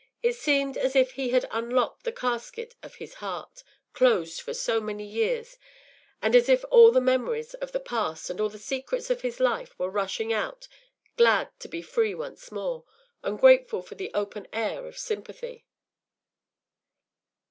It seemed as if he had unlocked the casket of his heart, closed for so many years, and as if all the memories of the past and all the secrets of his life were rushing out, glad to be free once more, and grateful for the open air of sympathy.